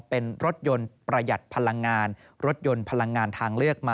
เป็นรถยนต์ประหยัดพลังงานรถยนต์พลังงานทางเลือกมา